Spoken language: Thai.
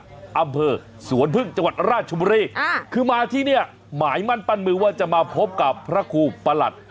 อำเภอสวนพึ่งจังหวัดราชบุรีคือมาที่เนี่ยหมายมั่นปั้นมือว่าจะมาพบกับพระครูประหลัด